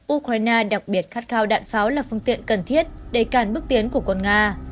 ukraine đặc biệt khát khao đạn pháo là phương tiện cần thiết để cản bước tiến của quân nga